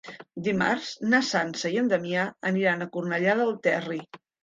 Dimarts na Sança i en Damià aniran a Cornellà del Terri.